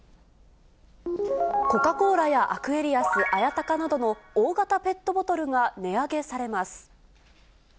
コカ・コーラやアクエリアス、綾鷹などの大型ペットボトルが値上げされます。